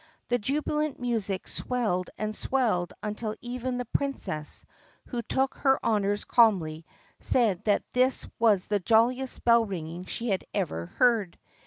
The jubilant music swelled and swelled until even the Princess, who took her honors calmly, said that this was the jolliest bell ringing she had ever heard.